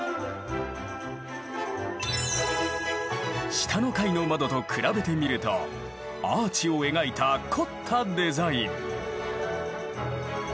下の階の窓と比べてみるとアーチを描いた凝ったデザイン。